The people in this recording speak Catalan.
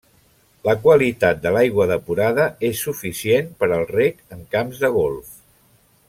La qualitat de l'aigua depurada és suficient per al reg en camps de golf.